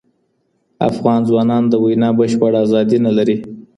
افغان ځوانان د وینا بشپړه ازادي نه لري.